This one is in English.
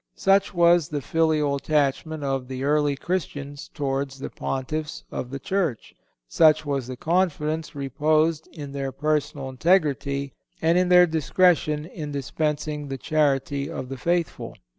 (182) Such was the filial attachment of the early Christians towards the Pontiffs of the Church; such was the confidence reposed in their personal integrity, and in their discretion in dispensing the charity of the faithful.